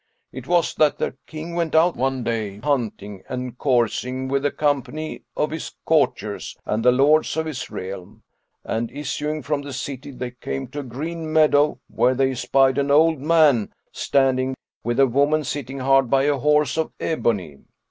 It was that their King went out one day hunting and coursing with a company of his courtiers and the lords of his realm; and, issuing from the city, they came to a green meadow where they espied an old man standing, with a woman sitting hard by a horse of ebony.